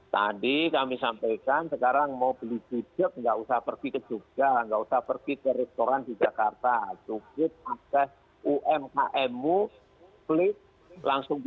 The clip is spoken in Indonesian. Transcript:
tadi kami sampaikan sekarang mau beli bijak enggak usah pergi ke jubah enggak usah pergi ke restoran tidak kasihan